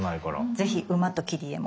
ぜひ馬と切り絵も。